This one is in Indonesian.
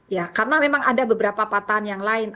ya karena memang ada beberapa patahan yang lain